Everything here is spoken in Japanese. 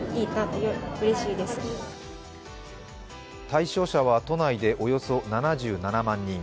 対象者は都内でおよそ７７万人。